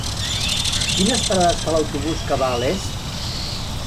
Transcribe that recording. Quines parades fa l'autobús que va a Les?